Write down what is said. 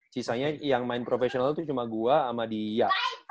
sisanya yang main profesional itu cuma gua sama dia